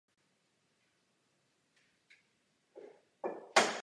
S vedením klubu uzavřel dvouletý kontrakt s následnou opcí.